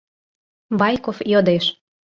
— Байков йодеш.